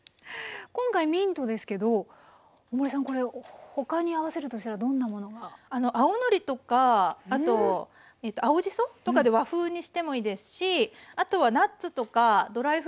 今回ミントですけど大森さんこれ他に合わせるとしたらどんなものが？青のりとかあと青じそとかで和風にしてもいいですしあとはナッツとかドライフルーツとか入れて。